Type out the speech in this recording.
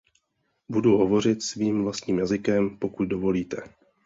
Budu hovořit svým vlastním jazykem, pokud dovolíte.